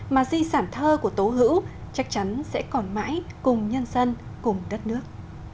mà di sản thơ của tố hữu chắc chắn sẽ còn mãi cùng nhân dân cùng đất nước